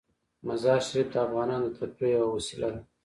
مزارشریف د افغانانو د تفریح یوه وسیله ده.